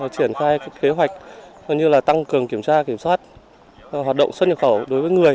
triển khai kế hoạch tăng cường kiểm tra kiểm soát hoạt động xuất nhập khẩu đối với người